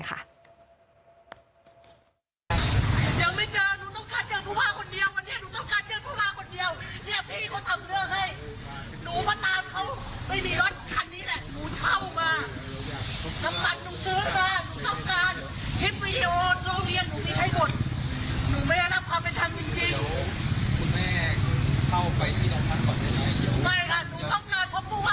ความเป็นธรรมจริงจริงคุณแม่เข้าไปที่ไม่ค่ะหนูต้องการพบภูมิว่า